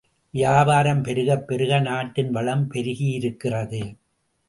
வியாபாரம் பெருகப் பெருக நாட்டின் வளம் பெருகியிருக்கிறது.